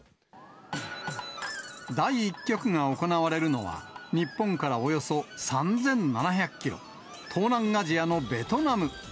第１局が行われるのは、日本からおよそ３７００キロ、東南アジアのベトナム。